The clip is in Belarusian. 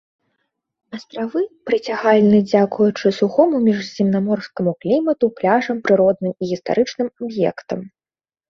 Астравы прыцягальны дзякуючы сухому міжземнаморскаму клімату, пляжам, прыродным і гістарычным аб'ектам.